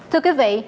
thưa quý vị